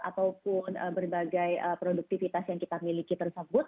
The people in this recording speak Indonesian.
ataupun berbagai produktivitas yang kita miliki tersebut